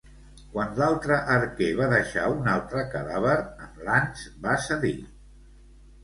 Quan l'altre arquer va deixar un altre cadàver, en Lance va cedir.